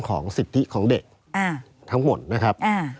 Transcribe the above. ของเด็กทั้งหมดนะครับ